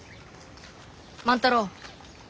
万太郎。